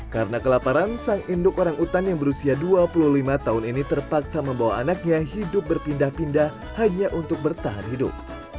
karena kelaparan sang induk orang utan yang berusia dua puluh lima tahun ini terpaksa membawa anaknya hidup berpindah pindah hanya untuk bertahan hidup